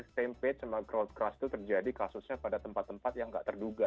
stampage sama crowd crush itu terjadi kasusnya pada tempat tempat yang tidak terduga